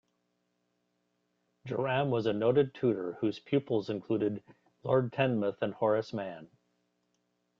Jerram was a noted tutor whose pupils included Lord Teignmouth and Horace Mann.